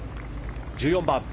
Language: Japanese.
１４番。